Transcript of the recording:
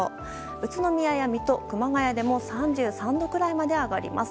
宇都宮や水戸、熊谷でも３３度くらいまで上がります。